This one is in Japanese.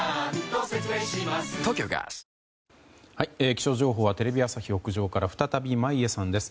気象情報はテレビ朝日屋上から再び、眞家さんです。